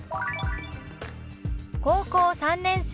「高校３年生」。